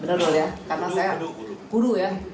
benar ya karena saya guru ya